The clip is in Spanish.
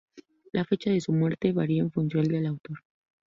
La fecha de su muerte varía en función del autor.